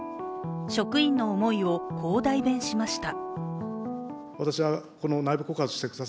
職員の思いを、こう代弁しました。